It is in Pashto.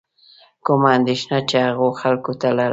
کومه اندېښنه چې هغو خلکو لرله.